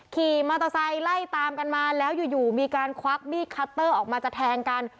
ขี่มอเตอร์ไซค์ไล่ตามกันมาแล้วอยู่มีการควักมีดคัตเตอร์ออกมาจะแทงกัน